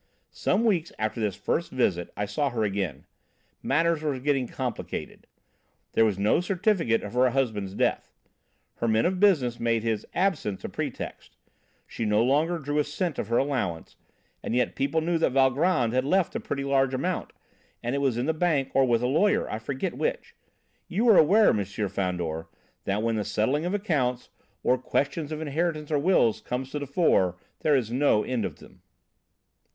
Some weeks after this first visit I saw her again. Matters were getting complicated. There was no certificate of her husband's death. Her men of business made his 'absence' a pretext: she no longer drew a cent of her allowance, and yet people knew that Valgrand had left a pretty large amount, and it was in the bank or with a lawyer, I forget which. You are aware, M. Fandor, that when the settling of accounts, or questions of inheritance or wills, come to the fore there is no end to them."